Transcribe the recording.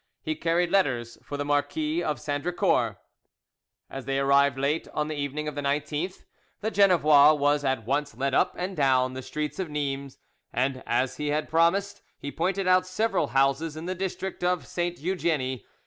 He carried letters for the Marquis of Sandricourt. As they arrived late on the evening of the 19th, the Genevois was at once led up and down the streets of Nimes, and, as he had promised, he pointed out several houses in the district of Sainte Eugenie.